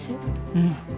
うん。